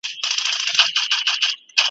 چي یو یو خواږه یاران مي باندي تللي .